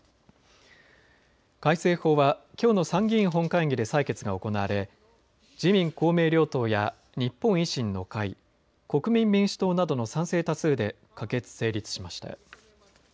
改正法はきょうの参議院本会議で採決が行われ自民・公明両党や日本維新の会、国民民主党などの賛成多数で可決・成立しました。